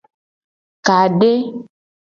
Kade.